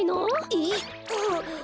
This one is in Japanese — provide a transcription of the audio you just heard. えっ？あっ！